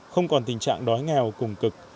không còn tình trạng đói nghèo cùng cực